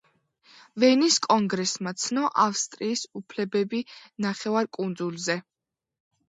ვენის კონგრესმა ცნო ავსტრიის უფლებები ნახევარკუნძულზე.